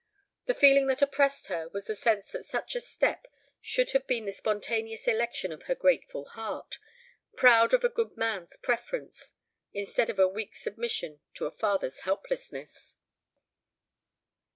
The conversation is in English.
The feeling that oppressed her was the sense that such a step should have been the spontaneous election of her grateful heart, proud of a good man's preference, instead of a weak submission to a father's helplessness.